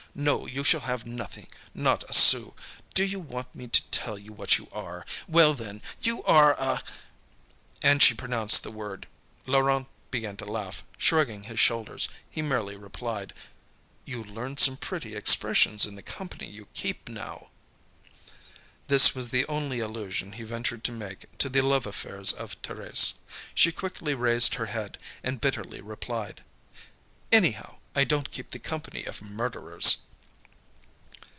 No, you shall have nothing, not a sou. Do you want me to tell you what you are? Well then, you are a " And she pronounced the word. Laurent began to laugh, shrugging his shoulders. He merely replied: "You learn some pretty expressions in the company you keep now." This was the only allusion he ventured to make to the love affairs of Thérèse. She quickly raised her head, and bitterly replied: "Anyhow, I don't keep the company of murderers."